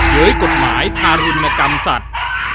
ยกฎหมายทารุณกรรมสัตว์